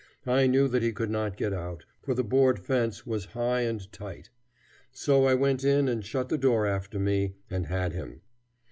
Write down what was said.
I knew that he could not get out, for the board fence was high and tight. So I went in and shut the door after me, and had him.